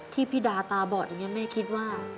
ที่พี่ดาตาบอดอย่างนี้แม่คิดว่า